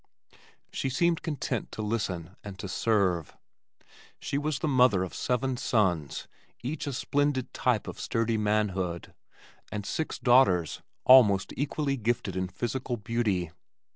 She seemed content to listen and to serve. She was the mother of seven sons, each a splendid type of sturdy manhood, and six daughters almost equally gifted in physical beauty.